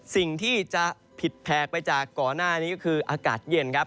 สิ่งที่จะผิดแผกไปจากก่อนหน้านี้ก็คืออากาศเย็นครับ